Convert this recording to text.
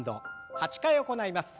８回行います。